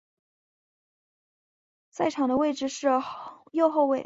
在场上的位置是右后卫。